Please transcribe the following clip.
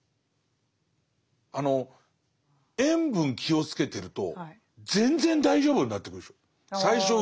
あの塩分気をつけてると全然大丈夫になってくるでしょ。